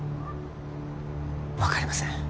分かりません